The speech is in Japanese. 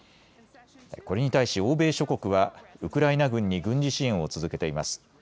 これに対し欧米諸国はウクライナ軍に軍事支援を続けています。